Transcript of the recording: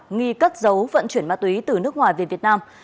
nghi cất giấu vận chuyển ma túy từ nước ngoài về việt nam